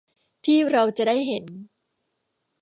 ที่เราจะได้เห็น